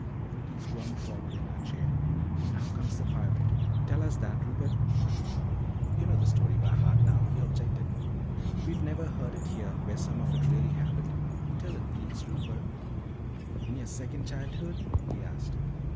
Ricky squirmed forward in her chair. "Now comes the pirate. Tell us that, Rupert." "You know the story by heart now," he objected. "We never heard it here, where some of it really happened. Tell it, please, Rupert!" "In your second childhood?" he asked.